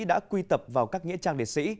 đã quy tập vào các nghĩa trang liệt sĩ